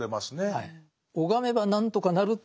はい。